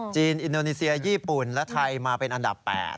อินโดนีเซียญี่ปุ่นและไทยมาเป็นอันดับ๘